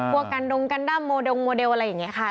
พวกกันดงกันด้ำโมดงโมเดลอะไรอย่างนี้ค่ะ